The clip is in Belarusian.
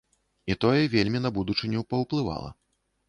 І тое вельмі на будучыню паўплывала.